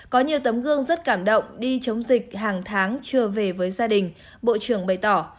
có nhiều tấm gương rất cảm động đi chống dịch hàng tháng chưa về với gia đình bộ trưởng bày tỏ